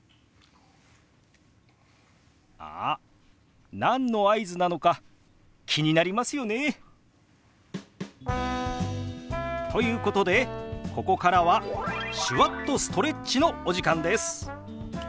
あっ何の合図なのか気になりますよね？ということでここからは手話っとストレッチのお時間です。